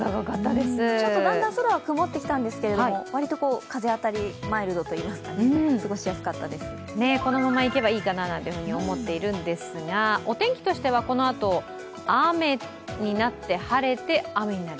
ちょっとだんだん空は曇ってきたんですけれども割と風当たりマイルドといいますかこのままいけばいいかなと思ったりするんですがお天気としては、このあと雨になって、晴れて、雨になる？